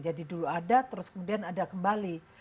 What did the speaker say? jadi dulu ada terus kemudian ada kembali